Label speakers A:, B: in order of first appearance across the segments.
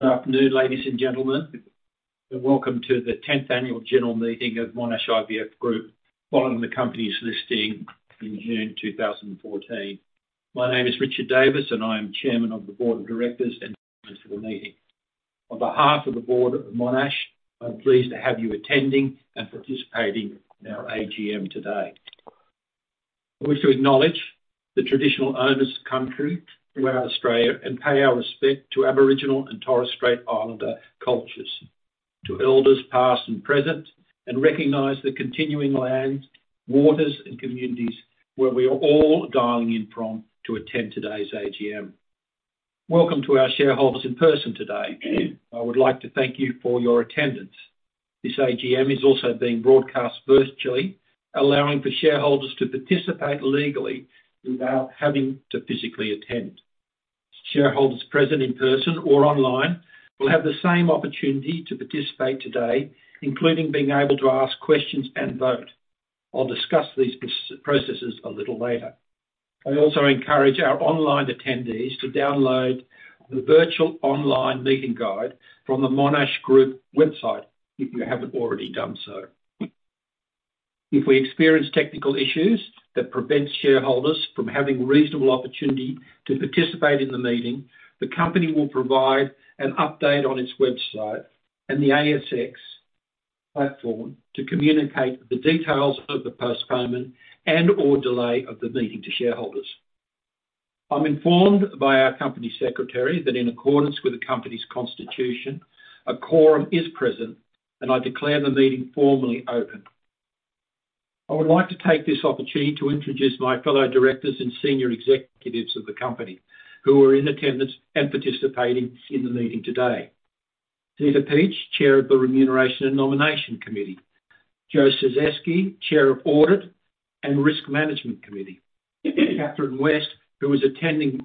A: Good afternoon, ladies and gentlemen, and welcome to the tenth annual general meeting of Monash IVF Group, following the company's listing in June 2014. My name is Richard Davis, and I am Chairman of the Board of Directors and Chair of the meeting. On behalf of the Board of Monash, I'm pleased to have you attending and participating in our AGM today. I wish to acknowledge the traditional owners of the country throughout Australia, and pay our respect to Aboriginal and Torres Strait Islander cultures, to elders past and present, and recognize the continuing lands, waters, and communities where we are all dialing in from to attend today's AGM. Welcome to our shareholders in person today. I would like to thank you for your attendance. This AGM is also being broadcast virtually, allowing for shareholders to participate legally without having to physically attend. Shareholders present in person or online will have the same opportunity to participate today, including being able to ask questions and vote. I'll discuss these processes a little later. I also encourage our online attendees to download the virtual online meeting guide from the Monash Group website, if you haven't already done so. If we experience technical issues that prevent shareholders from having reasonable opportunity to participate in the meeting, the company will provide an update on its website and the ASX platform to communicate the details of the postponement and/or delay of the meeting to shareholders. I'm informed by our company secretary that in accordance with the company's constitution, a quorum is present, and I declare the meeting formally open. I would like to take this opportunity to introduce my fellow directors and senior executives of the company, who are in attendance and participating in the meeting today. Zita Peach, Chair of the Remuneration and Nomination Committee. Josef Czyzewski, Chair of Audit and Risk Management Committee. Catherine West, who is attending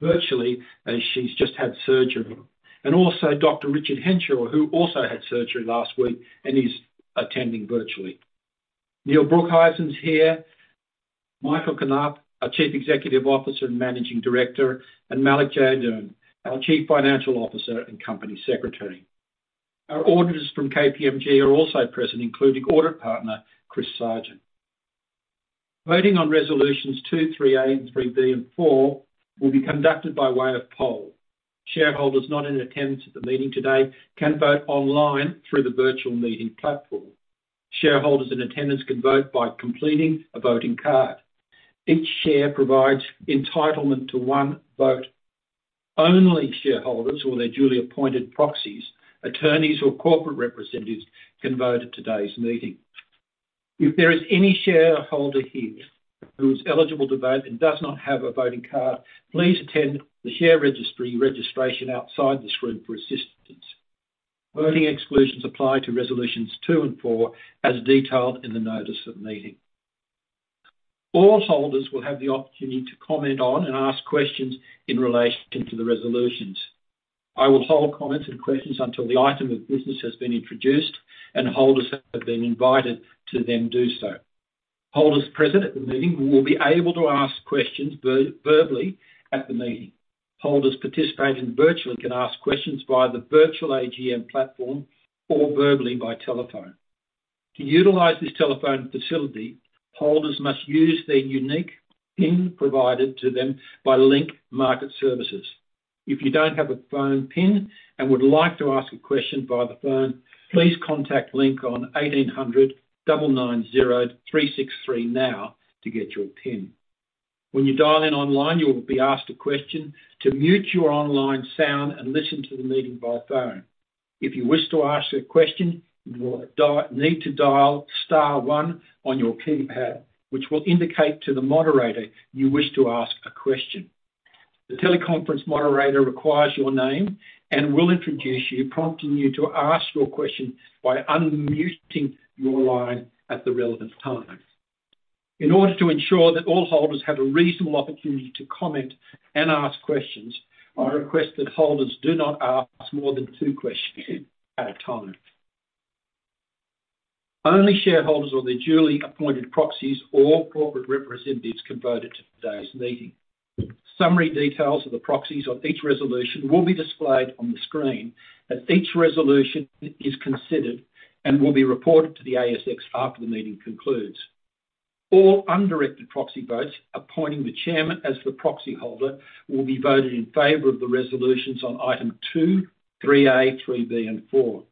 A: virtually as she's just had surgery, and also Dr. Richard Henshaw, who also had surgery last week and is attending virtually. Neil Broekhuizen is here, Michael Knaap, our Chief Executive Officer and Managing Director, and Malik Jainudeen, our Chief Financial Officer and Company Secretary. Our auditors from KPMG are also present, including Audit Partner, Chris Sargent. Voting on resolutions 2, 3A, and 3B, and 4 will be conducted by way of poll. Shareholders not in attendance at the meeting today can vote online through the virtual meeting platform. Shareholders in attendance can vote by completing a voting card. Each share provides entitlement to one vote. Only shareholders or their duly appointed proxies, attorneys, or corporate representatives can vote at today's meeting. If there is any shareholder here who is eligible to vote and does not have a voting card, please attend the share registry registration outside this room for assistance. Voting exclusions apply to resolutions two and four, as detailed in the notice of the meeting. All holders will have the opportunity to comment on and ask questions in relation to the resolutions. I will hold comments and questions until the item of business has been introduced, and holders have been invited to then do so. Holders present at the meeting will be able to ask questions verbally at the meeting. Holders participating virtually can ask questions via the virtual AGM platform or verbally by telephone. To utilize this telephone facility, holders must use their unique PIN provided to them by Link Market Services. If you don't have a phone PIN and would like to ask a question via the phone, please contact Link on 1800 990 363 now to get your PIN. When you dial in online, you will be asked a question to mute your online sound and listen to the meeting by phone. If you wish to ask a question, you will need to dial star one on your keypad, which will indicate to the moderator you wish to ask a question. The teleconference moderator requires your name and will introduce you, prompting you to ask your question by unmuting your line at the relevant time. In order to ensure that all holders have a reasonable opportunity to comment and ask questions, I request that holders do not ask more than two questions at a time. Only shareholders or their duly appointed proxies or corporate representatives can vote at today's meeting. Summary details of the proxies on each resolution will be displayed on the screen, as each resolution is considered and will be reported to the ASX after the meeting concludes. All undirected proxy votes appointing the chairman as the proxy holder will be voted in favor of the resolutions on Item 2, 3A, 3B, and 4.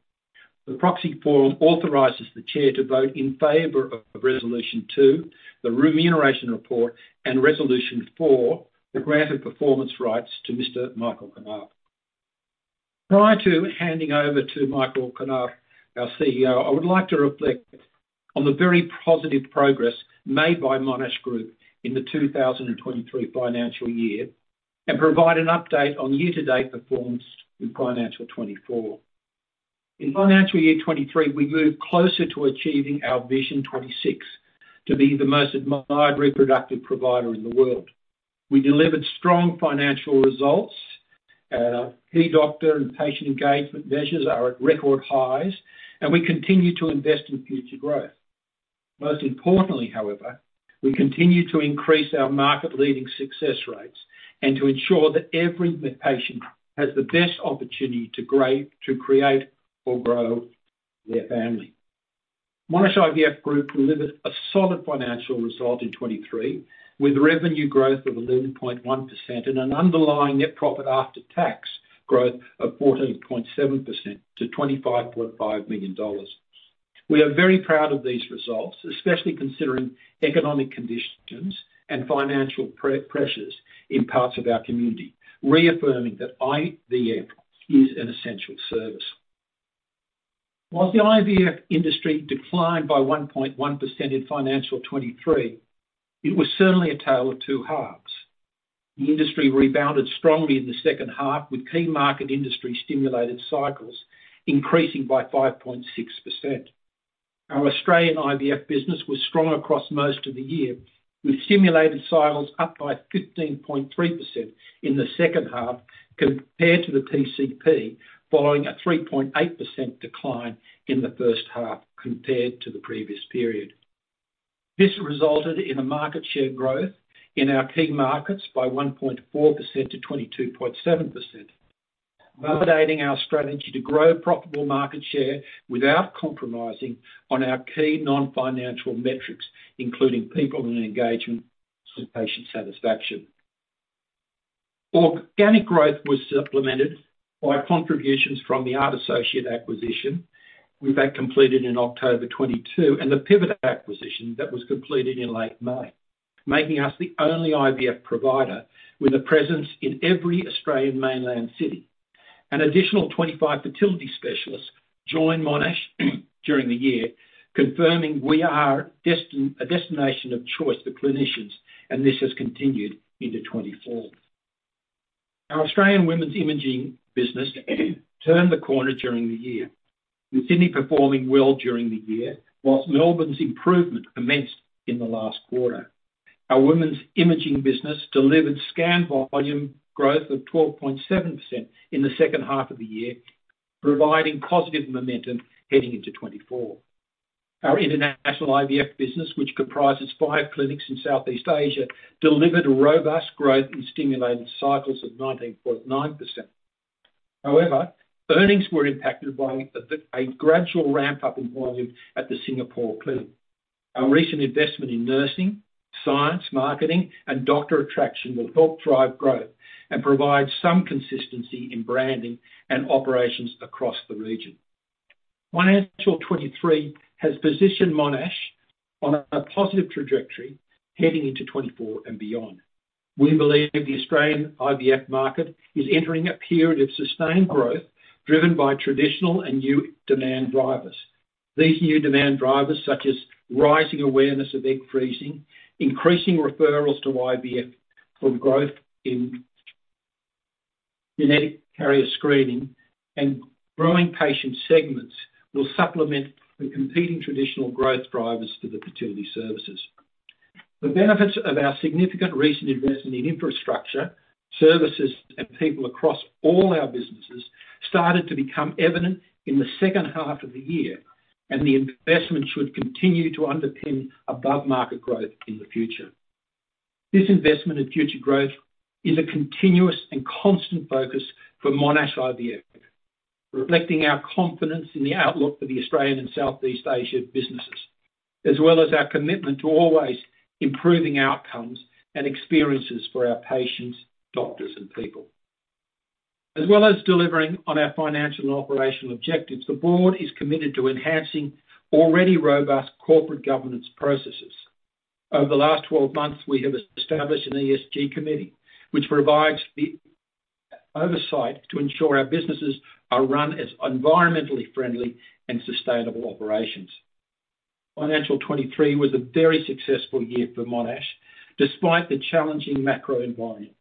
A: The proxy form authorizes the chair to vote in favor of the resolution to the remuneration report and resolution for the granted performance rights to Mr. Michael Knaap. Prior to handing over to Michael Knaap, our CEO, I would like to reflect on the very positive progress made by Monash Group in the 2023 financial year, and provide an update on year-to-date performance in financial 2024. In financial year 2023, we moved closer to achieving our Vision 2026, to be the most admired reproductive provider in the world. We delivered strong financial results, and our key doctor and patient engagement measures are at record highs, and we continue to invest in future growth.... Most importantly, however, we continue to increase our market-leading success rates and to ensure that every patient has the best opportunity to create or grow their family. Monash IVF Group delivered a solid financial result in 2023, with revenue growth of 11.1% and an underlying net profit after tax growth of 14.7% to 25.5 million dollars. We are very proud of these results, especially considering economic conditions and financial pressures in parts of our community, reaffirming that IVF is an essential service. While the IVF industry declined by 1.1% in financial 2023, it was certainly a tale of two halves. The industry rebounded strongly in the second half, with key market industry-stimulated cycles increasing by 5.6%. Our Australian IVF business was strong across most of the year, with stimulated cycles up by 15.3% in the second half compared to the PCP, following a 3.8% decline in the first half compared to the previous period. This resulted in a market share growth in our key markets by 1.4% to 22.7%, validating our strategy to grow profitable market share without compromising on our key non-financial metrics, including people and engagement and patient satisfaction. Organic growth was supplemented by contributions from the ART Associates acquisition, with that completed in October 2022, and the PIVET Medical Centre acquisition that was completed in late May, making us the only IVF provider with a presence in every Australian mainland city. An additional 25 fertility specialists joined Monash during the year, confirming we are a destination of choice for clinicians, and this has continued into 2024. Our Australian Women's Imaging business turned the corner during the year, with Sydney performing well during the year, while Melbourne's improvement commenced in the last quarter. Our Women's Imaging business delivered scan volume growth of 12.7% in the second half of the year, providing positive momentum heading into 2024. Our international IVF business, which comprises five clinics in Southeast Asia, delivered robust growth in stimulated cycles of 19.9%. However, earnings were impacted by a gradual ramp-up in volume at the Singapore clinic. Our recent investment in nursing, science, marketing, and doctor attraction will help drive growth and provide some consistency in branding and operations across the region. Financial 2023 has positioned Monash on a positive trajectory heading into 2024 and beyond. We believe the Australian IVF market is entering a period of sustained growth, driven by traditional and new demand drivers. These new demand drivers, such as rising awareness of egg freezing, increasing referrals to IVF from growth in genetic carrier screening, and growing patient segments, will supplement the competing traditional growth drivers to the fertility services. The benefits of our significant recent investment in infrastructure, services, and people across all our businesses started to become evident in the second half of the year, and the investment should continue to underpin above-market growth in the future. This investment in future growth is a continuous and constant focus for Monash IVF, reflecting our confidence in the outlook for the Australian and Southeast Asia businesses, as well as our commitment to always improving outcomes and experiences for our patients, doctors, and people. As well as delivering on our financial and operational objectives, the board is committed to enhancing already robust corporate governance processes. Over the last 12 months, we have established an ESG Committee, which provides the oversight to ensure our businesses are run as environmentally friendly and sustainable operations. Financial 23 was a very successful year for Monash, despite the challenging macro environment.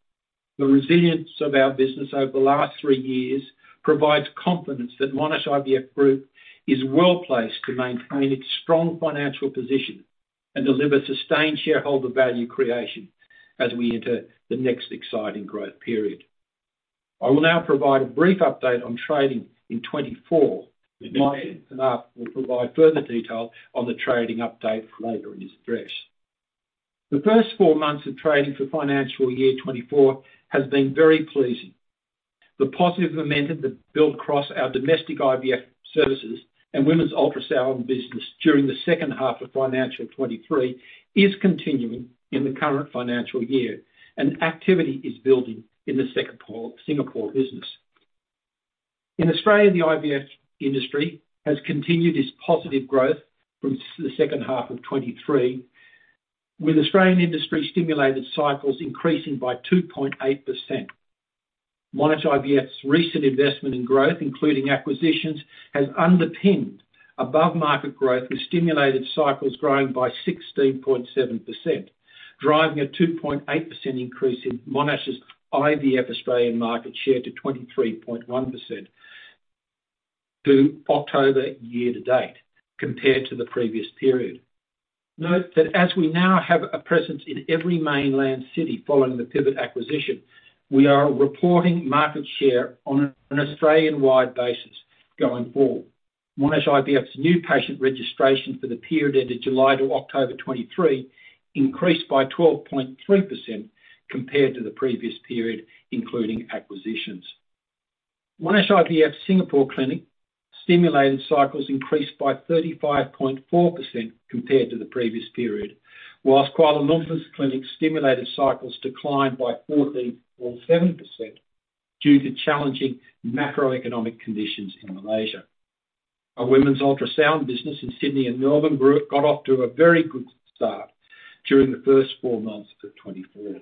A: The resilience of our business over the last three years provides confidence that Monash IVF Group is well-placed to maintain its strong financial position and deliver sustained shareholder value creation as we enter the next exciting growth period. I will now provide a brief update on trading in 2024, and Malik Jainudeen will provide further detail on the trading update later in his address. The first 4 months of trading for financial year 2024 has been very pleasing. The positive momentum that built across our domestic IVF services and women's ultrasound business during the second half of financial 2023 is continuing in the current financial year, and activity is building in the Singapore business. In Australia, the IVF industry has continued its positive growth from the second half of 2023, with Australian industry-stimulated cycles increasing by 2.8%. Monash IVF's recent investment in growth, including acquisitions, has underpinned above-market growth, with stimulated cycles growing by 16.7%, driving a 2.8% increase in Monash's IVF Australian market share to 23.1% to October year to date compared to the previous period. Note that as we now have a presence in every mainland city following the PIVET acquisition, we are reporting market share on an Australian-wide basis going forward... Monash IVF's new patient registration for the period ended July to October 2023, increased by 12.3% compared to the previous period, including acquisitions. Monash IVF Singapore Clinic stimulated cycles increased by 35.4% compared to the previous period, whilst Kuala Lumpur's clinic stimulated cycles declined by 14.7% due to challenging macroeconomic conditions in Malaysia. Our women's ultrasound business in Sydney and Melbourne grew, got off to a very good start during the first four months of 2024.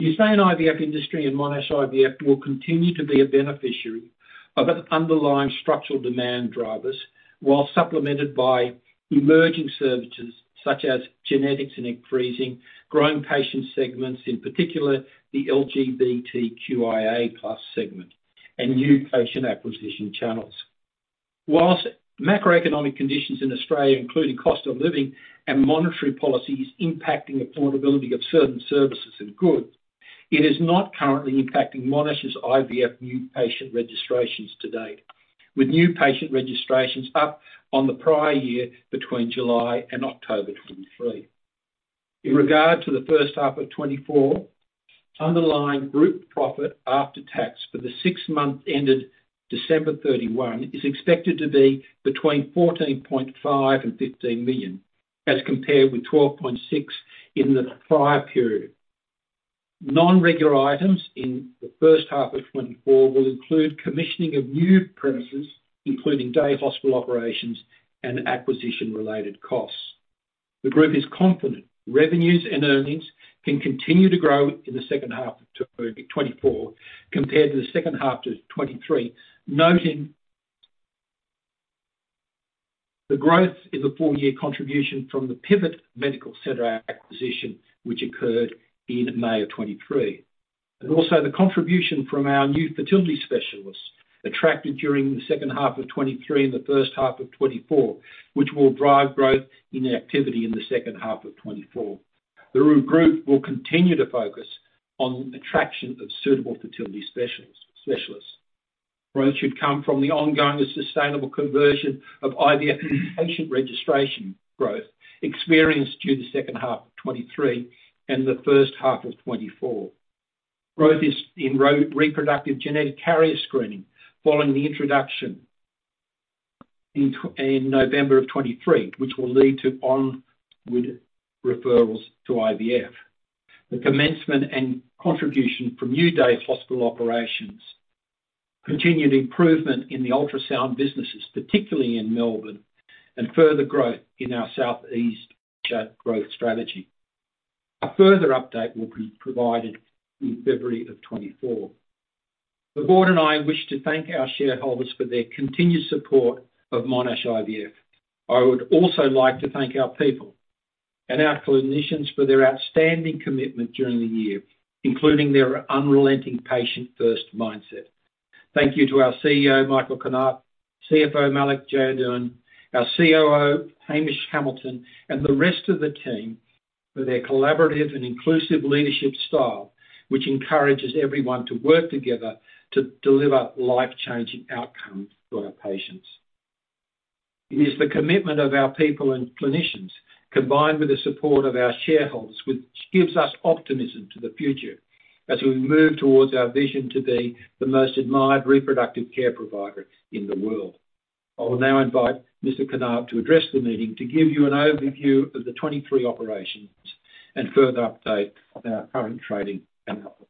A: The Australian IVF industry and Monash IVF will continue to be a beneficiary of an underlying structural demand drivers, while supplemented by emerging services such as genetics and egg freezing, growing patient segments, in particular the LGBTQIA+ segment, and new patient acquisition channels. While macroeconomic conditions in Australia, including cost of living and monetary policy, is impacting affordability of certain services and goods, it is not currently impacting Monash's IVF new patient registrations to date, with new patient registrations up on the prior year between July and October 2023. In regard to the first half of 2024, underlying group profit after tax for the six months ended December 31 is expected to be between 14.5 million and 15 million, as compared with 12.6 million in the prior period. Non-recurring items in the first half of 2024 will include commissioning of new premises, including day hospital operations and acquisition-related costs. The group is confident revenues and earnings can continue to grow in the second half of 2024 compared to the second half of 2023. Noting the growth in the full year contribution from the PIVET Medical Centre acquisition, which occurred in May of 2023, and also the contribution from our new fertility specialists attracted during the second half of 2023 and the first half of 2024, which will drive growth in activity in the second half of 2024. The group will continue to focus on attraction of suitable fertility specialists. Growth should come from the ongoing and sustainable conversion of IVF patient registration growth experienced during the second half of 2023 and the first half of 2024. Growth in reproductive genetic carrier screening following the introduction in November 2023, which will lead to onward referrals to IVF. The commencement and contribution from new day hospital operations, continued improvement in the ultrasound businesses, particularly in Melbourne, and further growth in our Southeast Asia growth strategy. A further update will be provided in February 2024. The board and I wish to thank our shareholders for their continued support of Monash IVF. I would also like to thank our people and our clinicians for their outstanding commitment during the year, including their unrelenting patient-first mindset. Thank you to our CEO, Michael Knaap, CFO, Malik Jainudeen, our COO, Hamish Hamilton, and the rest of the team for their collaborative and inclusive leadership style, which encourages everyone to work together to deliver life-changing outcomes for our patients. It is the commitment of our people and clinicians, combined with the support of our shareholders, which gives us optimism to the future as we move towards our vision to be the most admired reproductive care provider in the world. I will now invite Mr. Knaap to address the meeting, to give you an overview of the 2023 operations and further update on our current trading and outlook.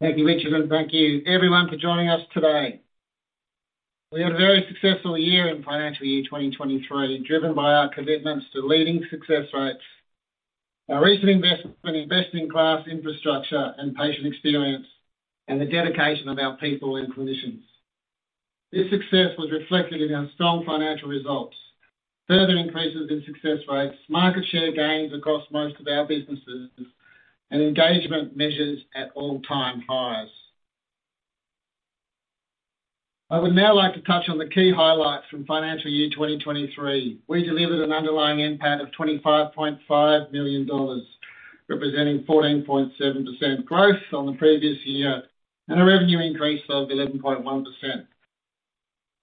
B: Thank you, Richard, and thank you everyone for joining us today. We had a very successful year in financial year 2023, driven by our commitments to leading success rates, our recent investment in best-in-class infrastructure and patient experience, and the dedication of our people and clinicians. This success was reflected in our strong financial results, further increases in success rates, market share gains across most of our businesses, and engagement measures at all-time highs. I would now like to touch on the key highlights from financial year 2023. We delivered an underlying NPAT of 25.5 million dollars, representing 14.7% growth on the previous year, and a revenue increase of 11.1%.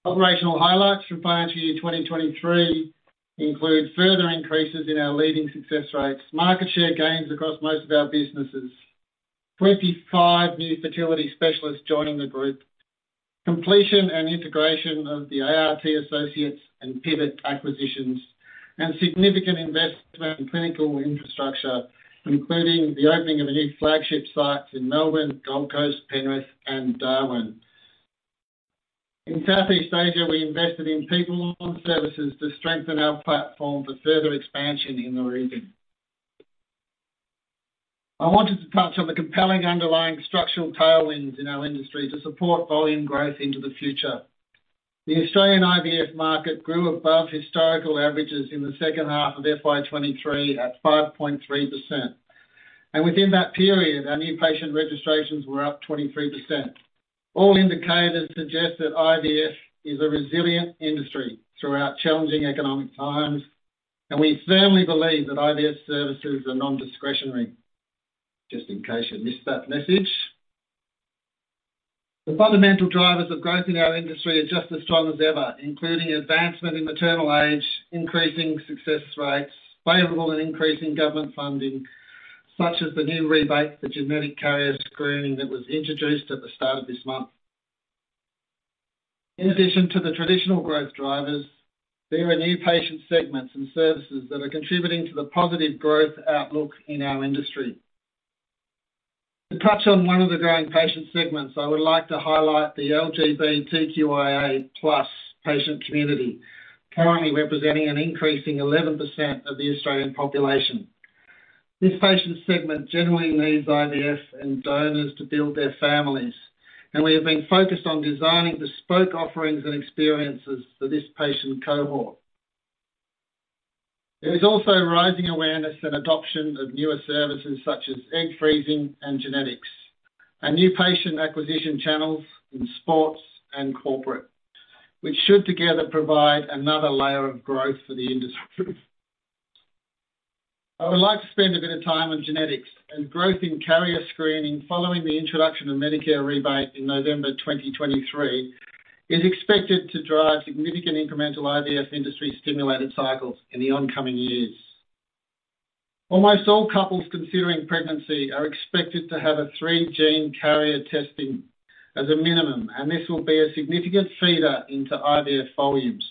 B: Operational highlights from financial year 2023 include further increases in our leading success rates, market share gains across most of our businesses, 25 new fertility specialists joining the group, completion and integration of the ART Associates and PIVET acquisitions, and significant investment in clinical infrastructure, including the opening of a new flagship sites in Melbourne, Gold Coast, Penrith, and Darwin. In Southeast Asia, we invested in people and services to strengthen our platform for further expansion in the region. I wanted to touch on the compelling underlying structural tailwinds in our industry to support volume growth into the future. The Australian IVF market grew above historical averages in the second half of FY 2023 at 5.3%, and within that period, our new patient registrations were up 23%. All indicators suggest that IVF is a resilient industry throughout challenging economic times, and we firmly believe that IVF services are non-discretionary, just in case you missed that message. The fundamental drivers of growth in our industry are just as strong as ever, including advancement in maternal age, increasing success rates, favorable and increasing government funding, such as the new rebate for genetic carrier screening that was introduced at the start of this month. In addition to the traditional growth drivers, there are new patient segments and services that are contributing to the positive growth outlook in our industry. To touch on one of the growing patient segments, I would like to highlight the LGBTQIA+ patient community, currently representing an increasing 11% of the Australian population. This patient segment generally needs IVF and donors to build their families, and we have been focused on designing bespoke offerings and experiences for this patient cohort. There is also a rising awareness and adoption of newer services such as egg freezing and genetics, and new patient acquisition channels in sports and corporate, which should together provide another layer of growth for the industry. I would like to spend a bit of time on genetics and growth in carrier screening following the introduction of Medicare rebate in November 2023, is expected to drive significant incremental IVF industry-stimulated cycles in the oncoming years. Almost all couples considering pregnancy are expected to have a three-gene carrier testing as a minimum, and this will be a significant feeder into IVF volumes.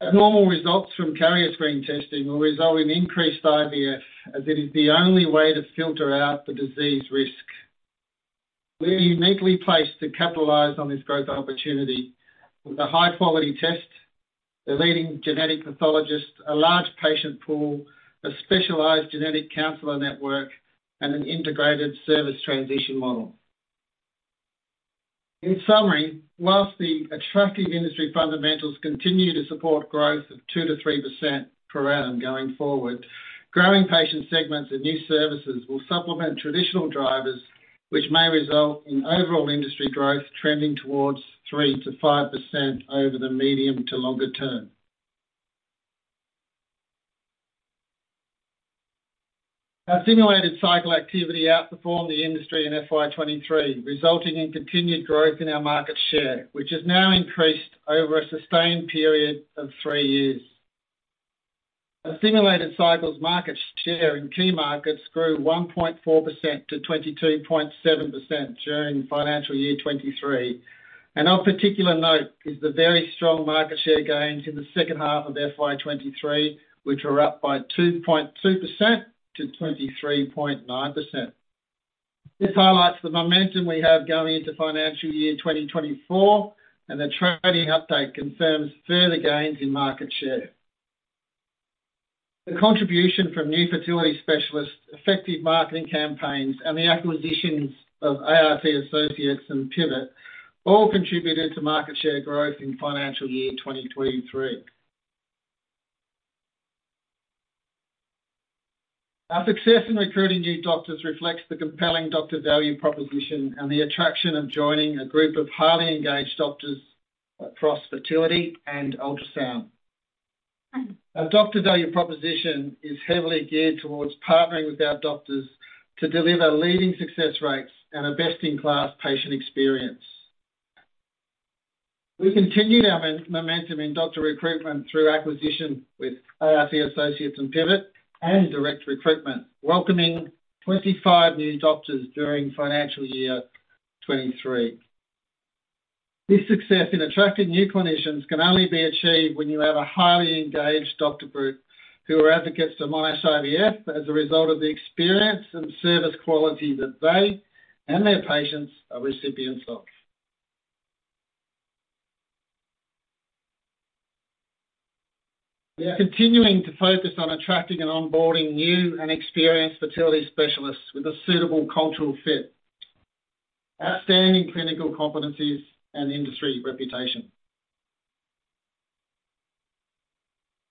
B: Abnormal results from carrier screen testing will result in increased IVF, as it is the only way to filter out the disease risk. We are uniquely placed to capitalize on this growth opportunity with a high-quality test, a leading genetic pathologist, a large patient pool, a specialized genetic counselor network, and an integrated service transition model. In summary, whilst the attractive industry fundamentals continue to support growth of 2%-3% per annum going forward, growing patient segments and new services will supplement traditional drivers, which may result in overall industry growth trending towards 3%-5% over the medium to longer term. Our stimulated cycle activity outperformed the industry in FY 2023, resulting in continued growth in our market share, which has now increased over a sustained period of three years. Our stimulated cycles market share in key markets grew 1.4% to 22.7% during financial year 2023, and of particular note is the very strong market share gains in the second half of FY 2023, which were up by 2.2% to 23.9%. This highlights the momentum we have going into financial year 2024, and the trading update confirms further gains in market share. The contribution from new fertility specialists, effective marketing campaigns, and the acquisitions of ART Associates and PIVET, all contributed to market share growth in financial year 2023. Our success in recruiting new doctors reflects the compelling doctor value proposition and the attraction of joining a group of highly engaged doctors across fertility and ultrasound. Our doctor value proposition is heavily geared towards partnering with our doctors to deliver leading success rates and a best-in-class patient experience. We continued our momentum in doctor recruitment through acquisition with ART Associates and PIVET, and direct recruitment, welcoming 25 new doctors during financial year 2023. This success in attracting new clinicians can only be achieved when you have a highly engaged doctor group, who are advocates of Monash IVF as a result of the experience and service quality that they and their patients are recipients of. We are continuing to focus on attracting and onboarding new and experienced fertility specialists with a suitable cultural fit, outstanding clinical competencies, and industry reputation.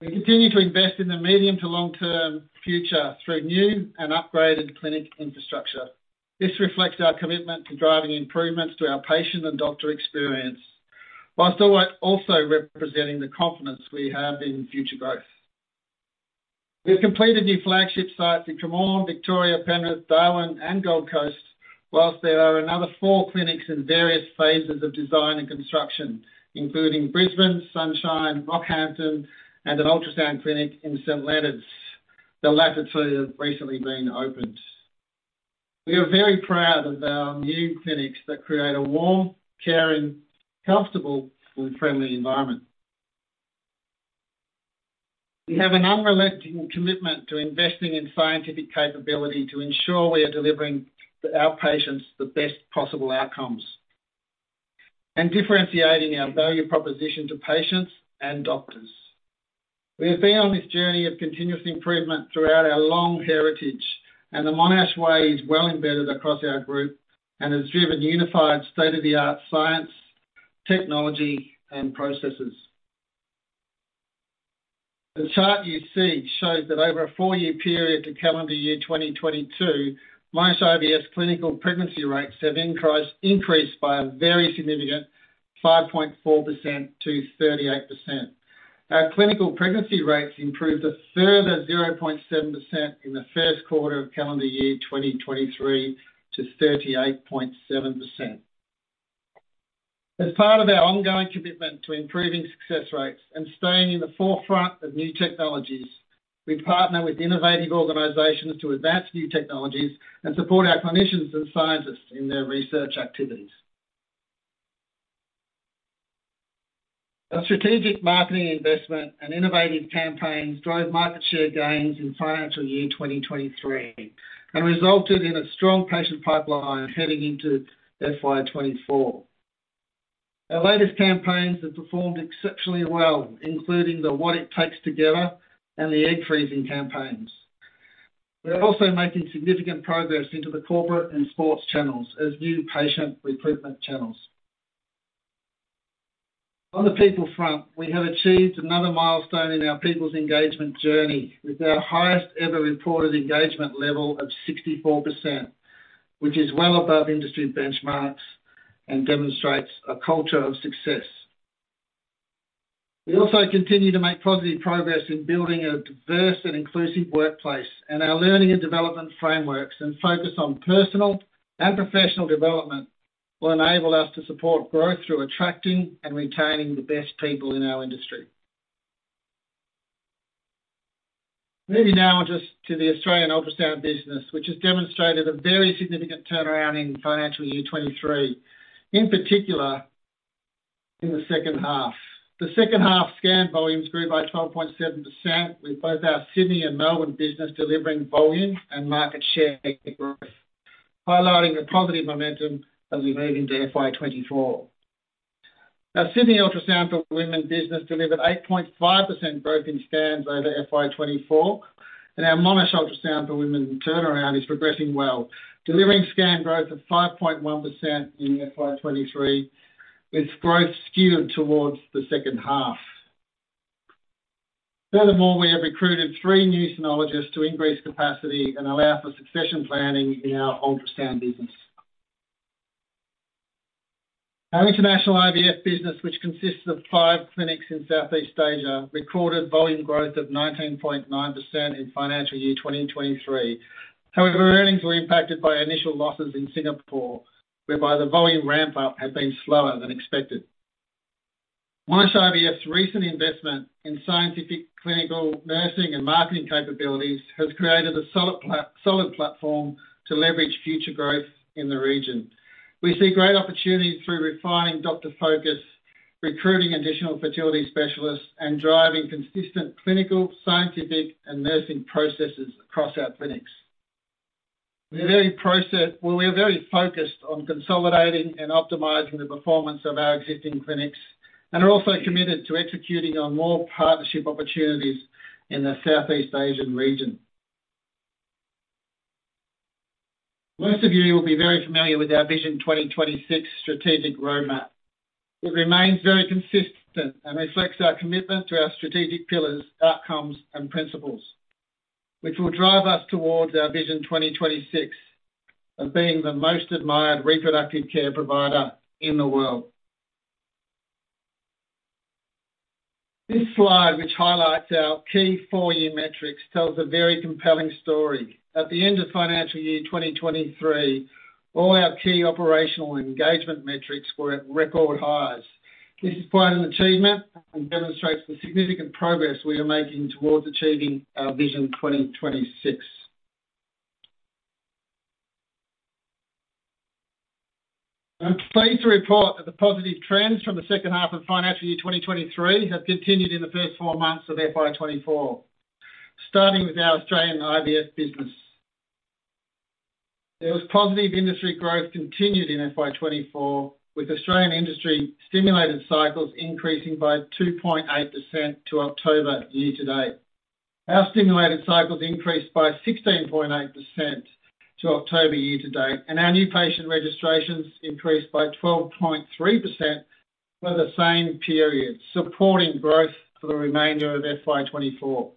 B: We continue to invest in the medium to long-term future through new and upgraded clinic infrastructure. This reflects our commitment to driving improvements to our patient and doctor experience, while also representing the confidence we have in future growth. We've completed new flagship sites in Traralgon, Victoria, Penrith, Darwin, and Gold Coast, while there are another four clinics in various phases of design and construction, including Brisbane, Sunshine, Rockhampton, and an ultrasound clinic in St Leonards. The latter two have recently been opened. We are very proud of our new clinics that create a warm, caring, comfortable, and friendly environment. We have an unrelenting commitment to investing in scientific capability to ensure we are delivering to our patients the best possible outcomes, and differentiating our value proposition to patients and doctors. We have been on this journey of continuous improvement throughout our long heritage, and the Monash way is well embedded across our group and has driven unified state-of-the-art science, technology, and processes.... The chart you see shows that over a 4-year period to calendar year 2022, Monash IVF's clinical pregnancy rates have increased, increased by a very significant 5.4% to 38%. Our clinical pregnancy rates improved a further 0.7% in the first quarter of calendar year 2023, to 38.7%. As part of our ongoing commitment to improving success rates and staying in the forefront of new technologies, we partner with innovative organizations to advance new technologies and support our clinicians and scientists in their research activities. Our strategic marketing investment and innovative campaigns drove market share gains in financial year 2023, and resulted in a strong patient pipeline heading into FY 2024. Our latest campaigns have performed exceptionally well, including the What It Takes Together and the Egg Freezing campaigns. We are also making significant progress into the corporate and sports channels as new patient recruitment channels. On the people front, we have achieved another milestone in our people's engagement journey, with our highest ever reported engagement level of 64%, which is well above industry benchmarks and demonstrates a culture of success. We also continue to make positive progress in building a diverse and inclusive workplace, and our learning and development frameworks, and focus on personal and professional development, will enable us to support growth through attracting and retaining the best people in our industry. Moving now on to the Australian Ultrasound business, which has demonstrated a very significant turnaround in financial year 2023, in particular, in the second half. The second half scan volumes grew by 12.7%, with both our Sydney Ultrasound for Women and Monash Ultrasound for Women businesses delivering volume and market share growth, highlighting the positive momentum as we move into FY 2024. Our Sydney Ultrasound for Women business delivered 8.5% growth in scans over FY 2024, and our Monash Ultrasound for Women turnaround is progressing well, delivering scan growth of 5.1% in FY 2023, with growth skewed towards the second half. Furthermore, we have recruited three new sonologists to increase capacity and allow for succession planning in our ultrasound business. Our international IVF business, which consists of five clinics in Southeast Asia, recorded volume growth of 19.9% in financial year 2023. However, earnings were impacted by initial losses in Singapore, whereby the volume ramp-up has been slower than expected. Monash IVF's recent investment in scientific, clinical, nursing, and marketing capabilities has created a solid platform to leverage future growth in the region. We see great opportunities through refining doctor focus, recruiting additional fertility specialists, and driving consistent clinical, scientific, and nursing processes across our clinics. Well, we are very focused on consolidating and optimizing the performance of our existing clinics, and are also committed to executing on more partnership opportunities in the Southeast Asian region. Most of you will be very familiar with our Vision 2026 strategic roadmap. It remains very consistent and reflects our commitment to our strategic pillars, outcomes, and principles, which will drive us towards our Vision 2026 of being the most admired reproductive care provider in the world. This slide, which highlights our key four-year metrics, tells a very compelling story. At the end of financial year 2023, all our key operational engagement metrics were at record highs. This is quite an achievement and demonstrates the significant progress we are making towards achieving our Vision 2026. I'm pleased to report that the positive trends from the second half of financial year 2023 have continued in the first four months of FY 2024, starting with our Australian IVF business. There was positive industry growth continued in FY 2024, with Australian industry stimulated cycles increasing by 2.8% to October year to date. Our stimulated cycles increased by 16.8% to October year to date, and our new patient registrations increased by 12.3% for the same period, supporting growth for the remainder of FY 2024.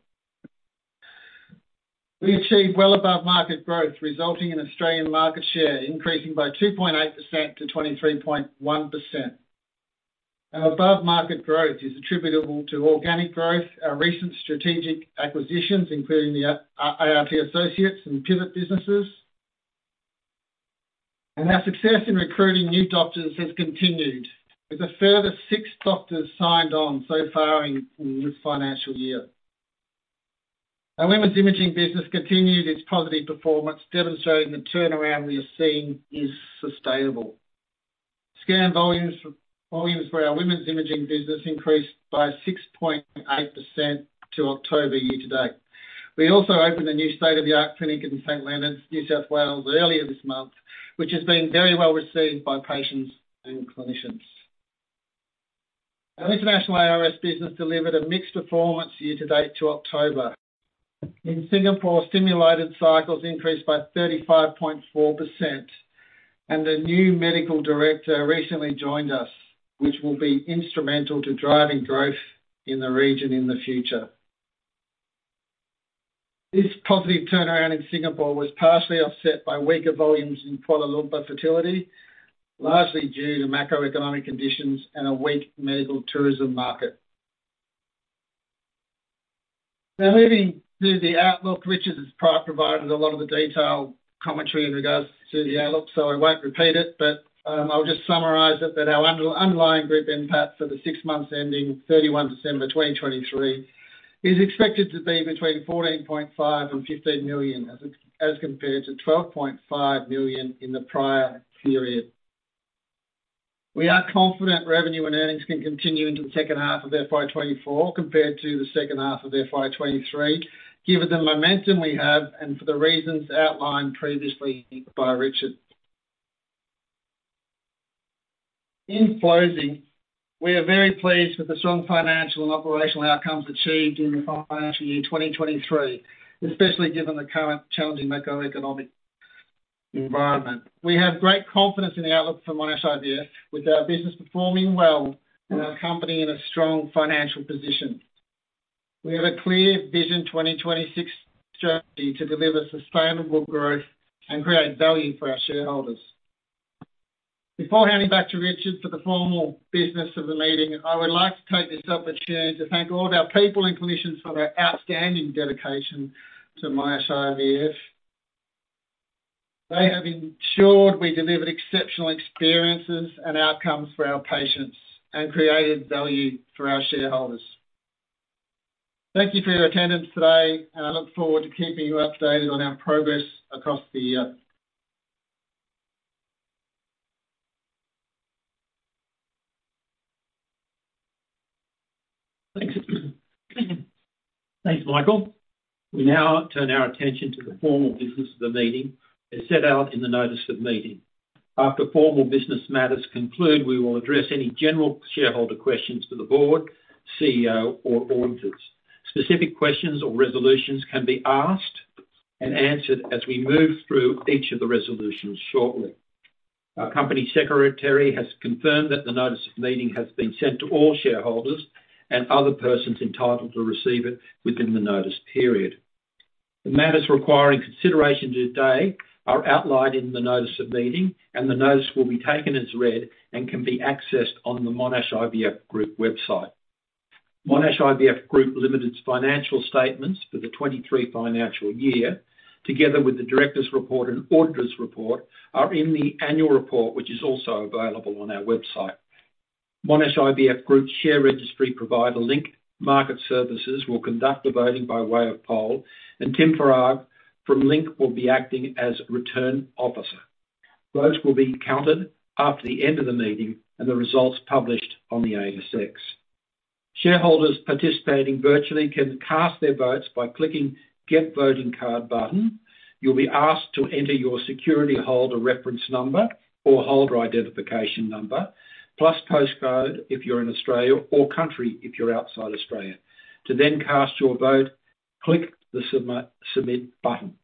B: We achieved well above-market growth, resulting in Australian market share increasing by 2.8%-23.1%. Our above-market growth is attributable to organic growth, our recent strategic acquisitions, including the ART Associates and PIVET businesses. Our success in recruiting new doctors has continued, with a further 6 doctors signed on so far in this financial year. Our women's imaging business continued its positive performance, demonstrating the turnaround we are seeing is sustainable. Scan volumes for our women's imaging business increased by 6.8% year-to-date to October. We also opened a new state-of-the-art clinic in St Leonards, New South Wales, earlier this month, which has been very well received by patients and clinicians. Our international ARS business delivered a mixed performance year-to-date to October. In Singapore, stimulated cycles increased by 35.4%.... A new medical director recently joined us, which will be instrumental to driving growth in the region in the future. This positive turnaround in Singapore was partially offset by weaker volumes in Kuala Lumpur fertility, largely due to macroeconomic conditions and a weak medical tourism market. Now, moving to the outlook, Richard has provided a lot of the detailed commentary in regards to the outlook, so I won't repeat it, but I'll just summarize it that our underlying group NPAT for the six months ending 31 December 2023 is expected to be between 14.5 million and 15 million, as compared to 12.5 million in the prior period. We are confident revenue and earnings can continue into the second half of FY 2024 compared to the second half of FY 2023, given the momentum we have and for the reasons outlined previously by Richard. In closing, we are very pleased with the strong financial and operational outcomes achieved in the financial year 2023, especially given the current challenging macroeconomic environment. We have great confidence in the outlook for Monash IVF, with our business performing well and our company in a strong financial position. We have a clear Vision 2026 strategy to deliver sustainable growth and create value for our shareholders. Before handing back to Richard for the formal business of the meeting, I would like to take this opportunity to thank all of our people and clinicians for their outstanding dedication to Monash IVF. They have ensured we delivered exceptional experiences and outcomes for our patients and created value for our shareholders. Thank you for your attendance today, and I look forward to keeping you updated on our progress across the year.
A: Thanks. Thanks, Michael. We now turn our attention to the formal business of the meeting, as set out in the notice of meeting. After formal business matters conclude, we will address any general shareholder questions to the board, CEO, or auditors. Specific questions or resolutions can be asked and answered as we move through each of the resolutions shortly. Our company secretary has confirmed that the notice of meeting has been sent to all shareholders and other persons entitled to receive it within the notice period. The matters requiring consideration today are outlined in the notice of meeting, and the notice will be taken as read and can be accessed on the Monash IVF Group website. Monash IVF Group Limited's financial statements for the 2023 financial year, together with the directors' report and auditors' report, are in the annual report, which is also available on our website. Monash IVF Group share registry provider, Link Market Services, will conduct the voting by way of poll, and Tim Thurgate from Link will be acting as returning officer. Votes will be counted after the end of the meeting, and the results published on the ASX. Shareholders participating virtually can cast their votes by clicking Get Voting Card button. You'll be asked to enter your security holder reference number or holder identification number, plus postcode if you're in Australia, or country if you're outside Australia. To then cast your vote, click the submit button.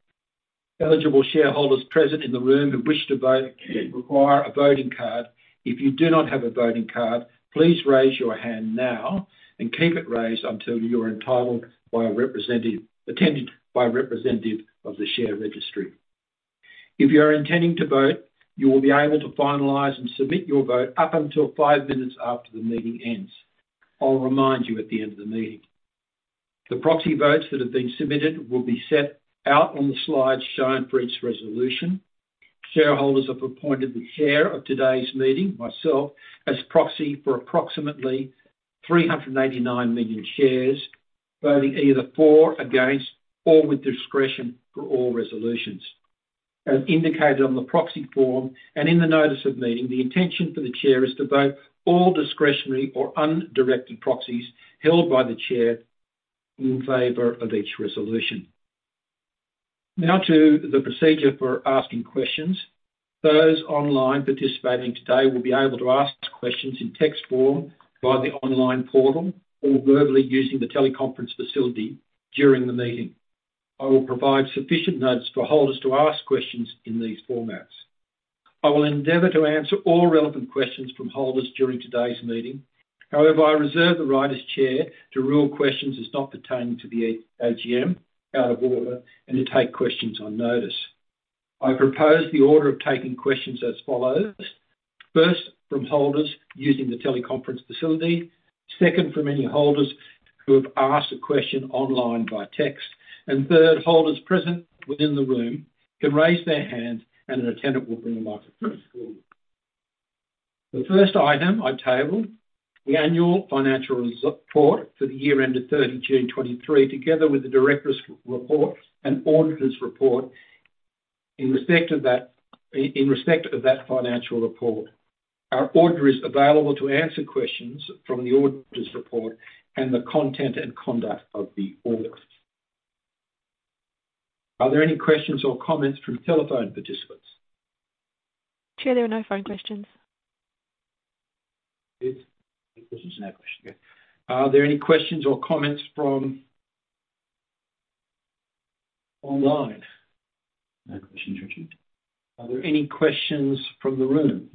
A: Eligible shareholders present in the room who wish to vote require a voting card. If you do not have a voting card, please raise your hand now and keep it raised until you're attended by a representative of the share registry. If you are intending to vote, you will be able to finalize and submit your vote up until five minutes after the meeting ends. I'll remind you at the end of the meeting. The proxy votes that have been submitted will be set out on the slides shown for each resolution. Shareholders have appointed the chair of today's meeting, myself, as proxy for approximately 389 million shares, voting either for, against, or with discretion for all resolutions. As indicated on the proxy form and in the notice of meeting, the intention for the chair is to vote all discretionary or undirected proxies held by the chair in favor of each resolution. Now to the procedure for asking questions. Those online participating today will be able to ask questions in text form via the online portal or verbally using the teleconference facility during the meeting. I will provide sufficient notes for holders to ask questions in these formats. I will endeavor to answer all relevant questions from holders during today's meeting. However, I reserve the right as chair to rule questions as not pertaining to the AGM, out of order, and to take questions on notice. I propose the order of taking questions as follows: First, from holders using the teleconference facility. Second, from any holders who have asked a question online via text. And third, holders present within the room can raise their hand, and an attendant will bring them up. The first item I table, the annual financial report for the year ended 30 June 2023, together with the directors' report and auditors' report. In respect of that, in respect of that financial report, our auditor is available to answer questions from the auditors' report and the content and conduct of the audit. Are there any questions or comments from telephone participants?
C: Chair, there are no phone questions.
A: There's no questions, no question. Yeah. Are there any questions or comments from online?
D: No questions, Richard.
A: Are there any questions from the room?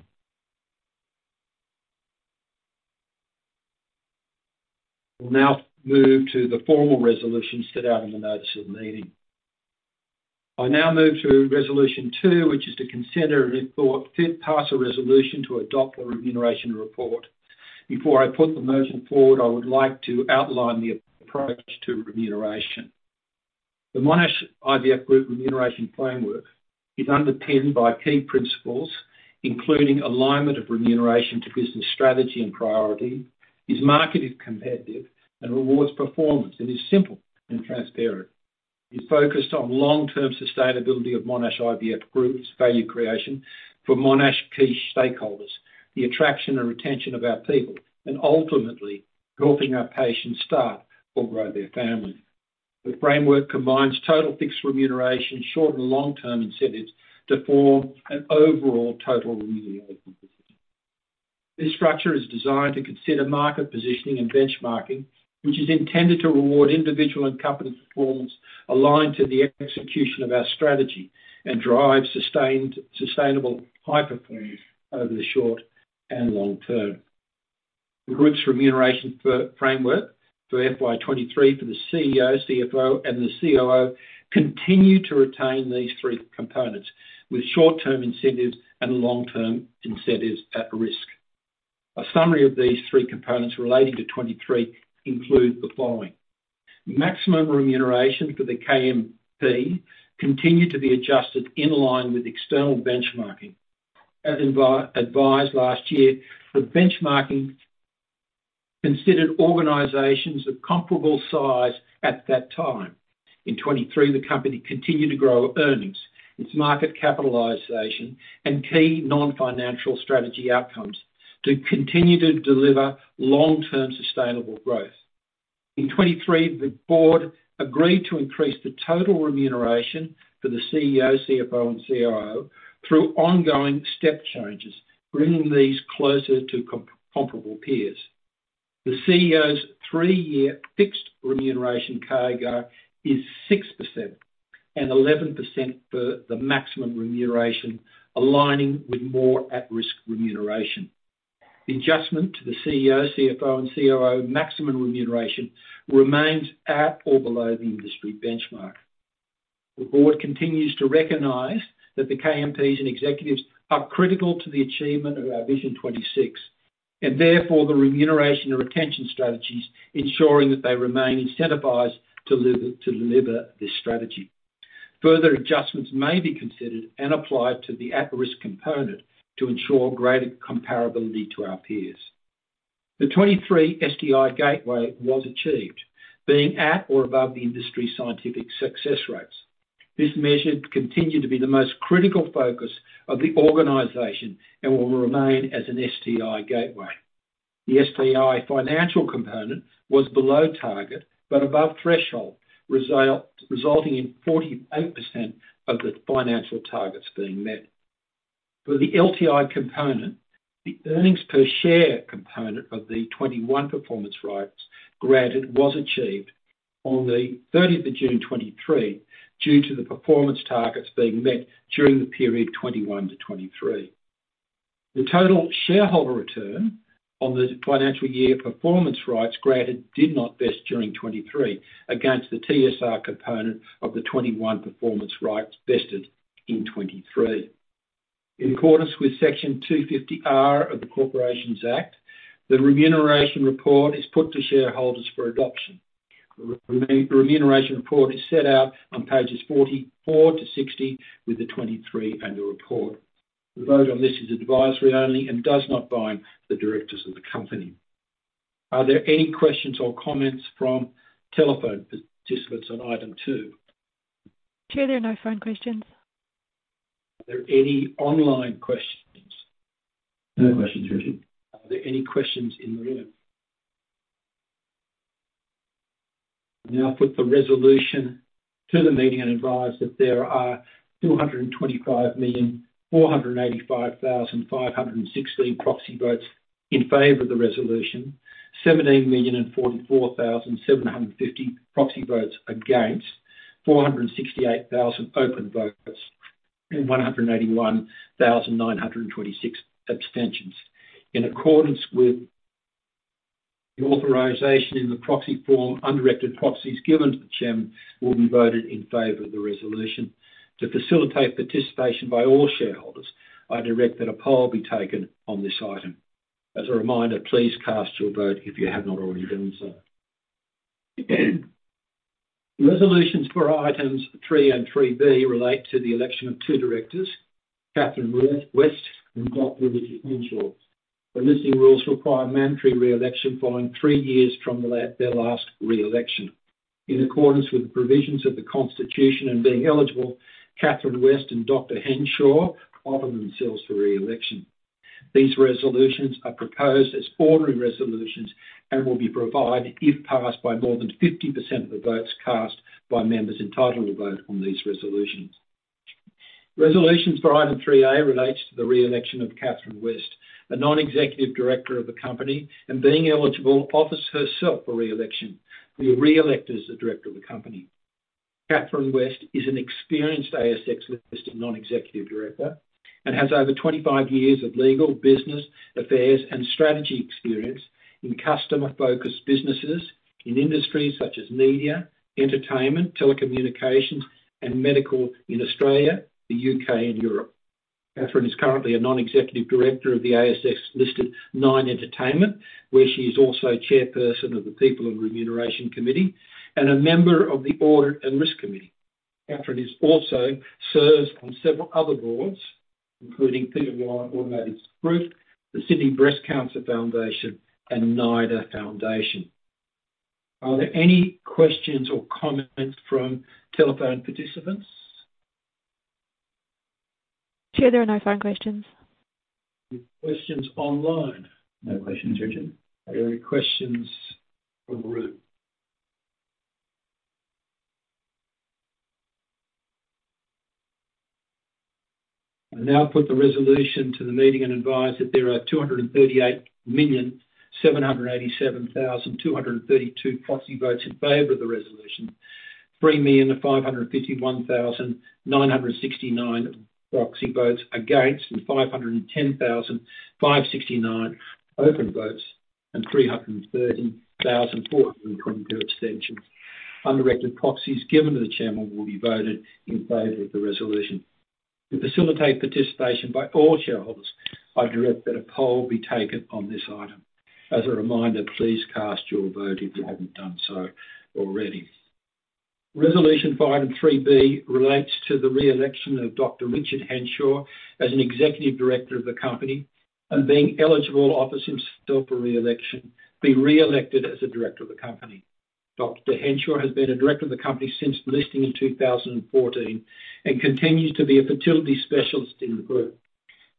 A: We'll now move to the formal resolution set out in the notice of the meeting. I now move to Resolution two, which is to consider and report, pass a resolution to adopt a remuneration report. Before I put the motion forward, I would like to outline the approach to remuneration. The Monash IVF Group Remuneration Framework is underpinned by key principles, including alignment of remuneration to business strategy and priority, is market competitive and rewards performance, and is simple and transparent. It's focused on long-term sustainability of Monash IVF Group's value creation for Monash key stakeholders, the attraction and retention of our people, and ultimately, helping our patients start or grow their family. The framework combines total fixed remuneration, short- and long-term incentives to form an overall total remuneration. This structure is designed to consider market positioning and benchmarking, which is intended to reward individual and company performance aligned to the execution of our strategy and drive sustained, sustainable high performance over the short and long term. The Group's remuneration framework for FY 2023 for the CEO, CFO, and the COO continue to retain these three components, with short-term incentives and long-term incentives at risk. A summary of these three components relating to 2023 include the following: Maximum remuneration for the KMP continue to be adjusted in line with external benchmarking. As advised last year, the benchmarking considered organizations of comparable size at that time. In 2023, the company continued to grow earnings, its market capitalization, and key non-financial strategy outcomes to continue to deliver long-term sustainable growth. In 2023, the board agreed to increase the total remuneration for the CEO, CFO, and COO through ongoing step changes, bringing these closer to comparable peers. The CEO's three-year fixed remuneration growth is 6% and 11% for the maximum remuneration, aligning with more at-risk remuneration. The adjustment to the CEO, CFO, and COO maximum remuneration remains at or below the industry benchmark. The board continues to recognize that the KMPs and executives are critical to the achievement of our Vision 2026, and therefore, the remuneration and retention strategies, ensuring that they remain incentivized to deliver, to deliver this strategy. Further adjustments may be considered and applied to the at-risk component to ensure greater comparability to our peers. The 2023 STI gateway was achieved, being at or above the industry scientific success rates. This measure continued to be the most critical focus of the organization and will remain as an STI gateway. The STI financial component was below target, but above threshold, resulting in 48% of the financial targets being met. For the LTI component, the earnings per share component of the 2021 performance rights granted was achieved on the 30th of June 2023, due to the performance targets being met during the period 2021 to 2023. The total shareholder return on the financial year performance rights granted did not vest during 2023 against the TSR component of the 2021 performance rights vested in 2023. In accordance with Section 250R of the Corporations Act, the remuneration report is put to shareholders for adoption. The remuneration report is set out on pages 44-60, with the 2023 annual report. The vote on this is advisory only and does not bind the directors of the company. Are there any questions or comments from telephone participants on item two?
C: Chair, there are no phone questions.
A: Are there any online questions?
D: No questions, Richard.
A: Are there any questions in the room? I now put the resolution to the meeting and advise that there are 225,485,516 proxy votes in favor of the resolution. 17,044,750 proxy votes against, 468,000 open votes, and 181,926 abstentions. In accordance with the authorization in the proxy form, undirected proxies given to the chairman will be voted in favor of the resolution. To facilitate participation by all shareholders, I direct that a poll be taken on this item. As a reminder, please cast your vote if you have not already done so. The resolutions for items three and three B relate to the election of two directors, Catherine West and Dr. Richard Henshaw. The listing rules require mandatory re-election following three years from their last re-election. In accordance with the provisions of the Constitution and being eligible, Catherine West and Dr. Henshaw offer themselves for re-election. These resolutions are proposed as ordinary resolutions and will be provided if passed by more than 50% of the votes cast by members entitled to vote on these resolutions. Resolutions for Item 3A relates to the re-election of Catherine West, a non-executive director of the company, and being eligible, offers herself for re-election. Be re-elected as a director of the company. Catherine West is an experienced ASX-listed non-executive director, and has over 25 years of legal, business, affairs, and strategy experience in customer-focused businesses in industries such as media, entertainment, telecommunications, and medical in Australia, the U.K., and Europe. Catherine is currently a non-executive director of the ASX-listed Nine Entertainment, where she is also chairperson of the People and Remuneration Committee and a member of the Audit and Risk Committee. Catherine also serves on several other boards, including Peter Warren Automotive Group, the Sydney Breast Cancer Foundation, and NIDA Foundation. Are there any questions or comments from telephone participants?
C: Chair, there are no phone questions.
A: Any questions online?
D: No questions, Richard.
A: Are there any questions from the room? I now put the resolution to the meeting and advise that there are 238,787,232 proxy votes in favor of the resolution, 3,551,969 proxy votes against, and 510,569 open votes, and 330,422 abstentions. Undirected proxies given to the chairman will be voted in favor of the resolution. To facilitate participation by all shareholders, I direct that a poll be taken on this item. As a reminder, please cast your vote if you haven't done so already. Resolution for Item 3B relates to the re-election of Dr. Richard Henshaw as an Executive Director of the company, and being eligible, offers himself for re-election, being re-elected as a director of the company. Dr. Henshaw has been a director of the company since the listing in 2014, and continues to be a fertility specialist in the group.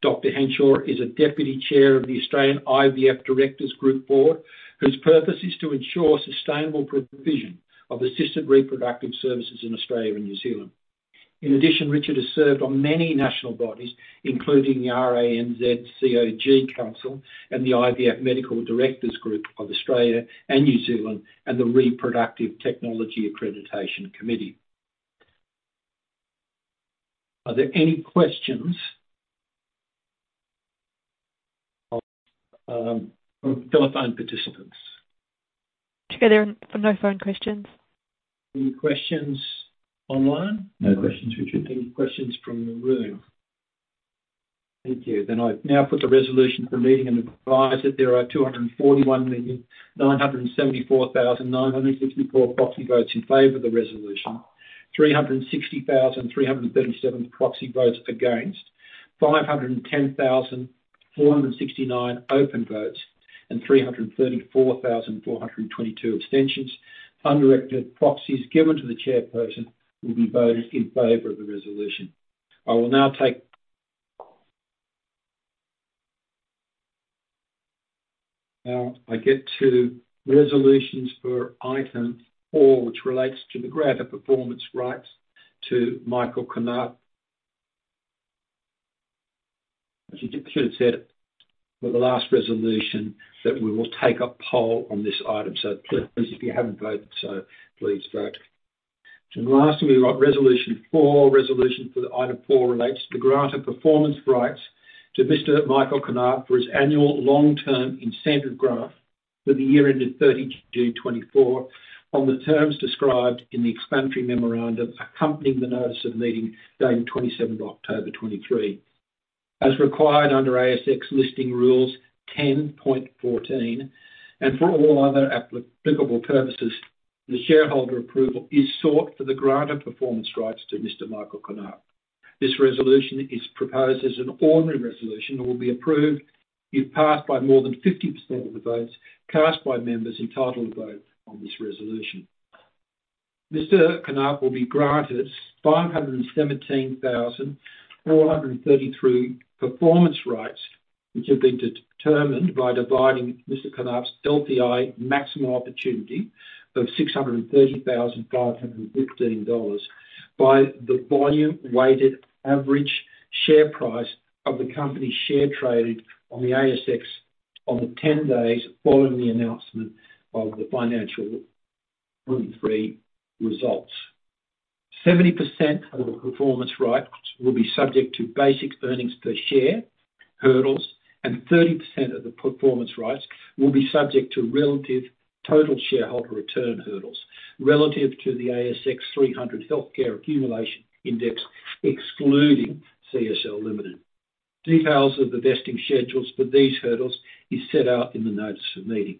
A: Dr. Henshaw is a deputy chair of the Australian IVF Directors Group Board, whose purpose is to ensure sustainable provision of assisted reproductive services in Australia and New Zealand. In addition, Richard has served on many national bodies, including the RANZCOG Council and the IVF Medical Directors Group of Australia and New Zealand, and the Reproductive Technology Accreditation Committee. Are there any questions, from telephone participants?
C: Chair, there are no phone questions.
A: Any questions online?
D: No questions, Richard.
A: Any questions from the room? Thank you. Then I now put the resolution for the meeting and advise that there are 241,974,964 proxy votes in favor of the resolution, 360,337 proxy votes against, 510,469 open votes, and 334,422 abstentions. Undirected proxies given to the chairperson will be voted in favor of the resolution. Now, I get to resolutions for Item four, which relates to the grant of performance rights to Michael Knaap. As I should have said, for the last resolution, that we will take a poll on this item. So please, if you haven't voted, so please vote. And lastly, we got resolution four. Resolution for item four relates to the grant of performance rights to Mr. Michael Knaap for his annual long-term incentive grant for the year ended 30 June 2024, on the terms described in the explanatory memorandum accompanying the notice of the meeting dated 27 October 2023. As required under ASX Listing Rule 10.14, and for all other applicable purposes, the shareholder approval is sought for the grant of performance rights to Mr. Michael Knaap. This resolution is proposed as an ordinary resolution and will be approved if passed by more than 50% of the votes cast by members entitled to vote on this resolution. Mr. Knaap will be granted 517,433 performance rights, which have been determined by dividing Mr. Knaap's LTI maximum opportunity of 630,515 dollars by the volume-weighted average share price of the company's share traded on the ASX on the 10 days following the announcement of the financial three results. Seventy percent of the performance rights will be subject to basic EPS hurdles, and thirty percent of the performance rights will be subject to relative total shareholder return hurdles relative to the ASX 300 Healthcare Accumulation Index, excluding CSL Limited. Details of the vesting schedules for these hurdles is set out in the notice of meeting.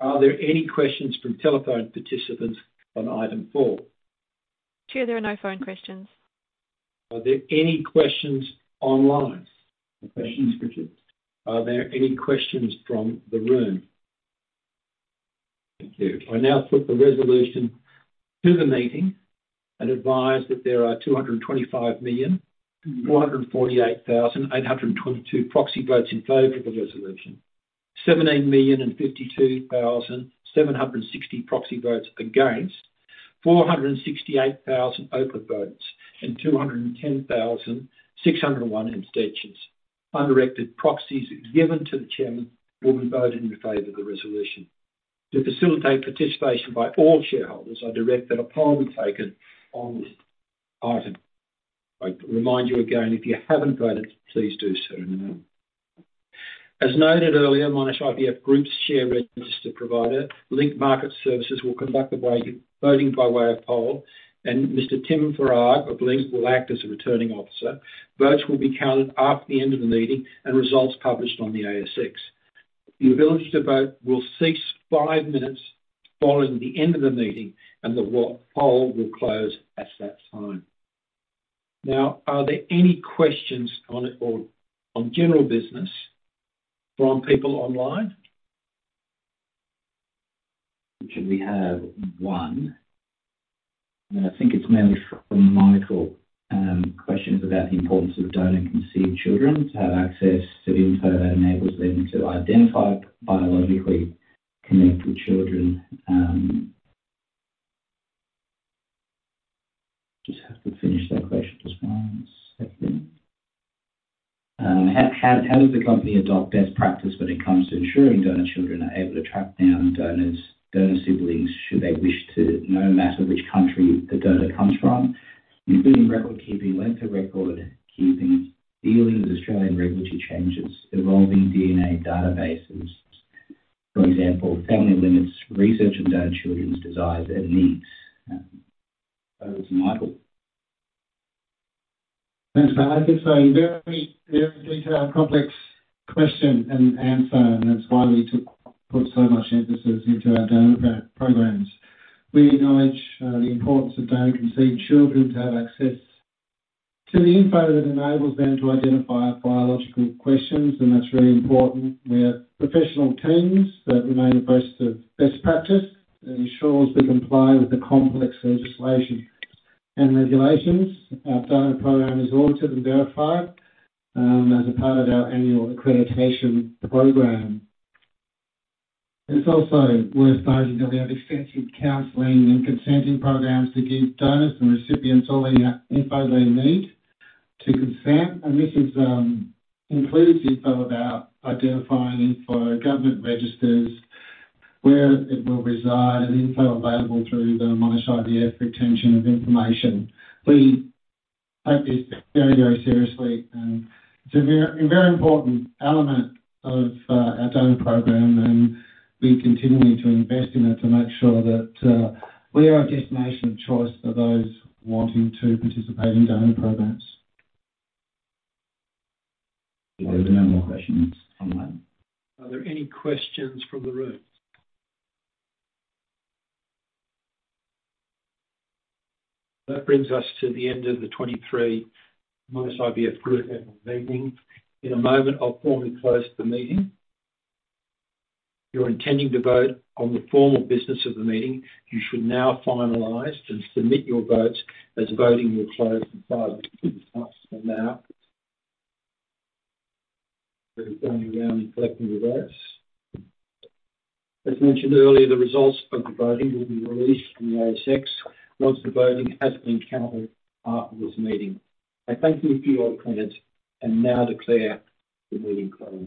A: Are there any questions from telephone participants on item four?
C: Chair, there are no phone questions.
A: Are there any questions online?
D: No questions, Richard.
A: Are there any questions from the room? Thank you. I now put the resolution to the meeting and advise that there are 225,448,822 proxy votes in favor of the resolution. 17,052,760 proxy votes against, 468,000 open votes, and 210,601 abstentions. Undirected proxies given to the chairman will be voted in favor of the resolution. To facilitate participation by all shareholders, I direct that a poll be taken on this item. I remind you again, if you haven't voted, please do so now. As noted earlier, Monash IVF Group's share register provider, Link Market Services, will conduct voting by way of poll, and Mr. Tim Thurgate of Link will act as a returning officer. Votes will be counted after the end of the meeting and results published on the ASX. The ability to vote will cease five minutes following the end of the meeting, and the vote poll will close at that time. Now, are there any questions on it or on general business from people online?
D: We have one, and I think it's mainly from Michael. Questions about the importance of donor conceived children to have access to the info that enables them to identify biologically connected children. Just have to finish that question, just one second. How does the company adopt best practice when it comes to ensuring donor children are able to track down donors, donor siblings, should they wish to, no matter which country the donor comes from, including record keeping, length of record keeping, dealing with Australian regulatory changes, evolving DNA databases, for example, family limits, research, and donor children's desires and needs? Over to Michael.
B: Thanks for that. It's a very, very detailed, complex question and answer, and that's why we put so much emphasis into our donor programs. We acknowledge the importance of donor conceived children to have access to the info that enables them to identify biological connections, and that's really important. We have professional teams that remain abreast of best practice and ensures we comply with the complex legislation and regulations. Our donor program is audited and verified as a part of our annual accreditation program. It's also worth noting that we have extensive counseling and consenting programs to give donors and recipients all the info they need to consent, and this includes info about identifying info, government registers, where it will reside, and info available through the Monash IVF retention of information. We take this very, very seriously, and it's a very, a very important element of our donor program, and we continue to invest in it to make sure that we are a destination of choice for those wanting to participate in donor programs.
D: There are no more questions online.
A: Are there any questions from the room? That brings us to the end of the 2023 Monash IVF Group Annual Meeting. In a moment, I'll formally close the meeting. If you're intending to vote on the formal business of the meeting, you should now finalize and submit your votes, as voting will close in five minutes from now. We're going around and collecting the votes. As mentioned earlier, the results of the voting will be released on the ASX once the voting has been counted after this meeting. I thank you for your attendance and now declare the meeting closed.